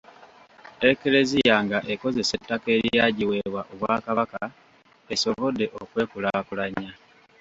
Eklezia nga ekozesa ettaka eryagiweebwa Obwakabaka esobodde okwekulaakulanya.